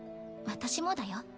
私もだよ。